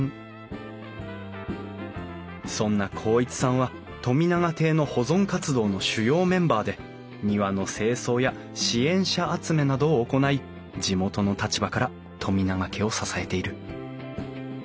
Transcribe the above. そんな孝一さんは富永邸の保存活動の主要メンバーで庭の清掃や支援者集めなどを行い地元の立場から富永家を支えている。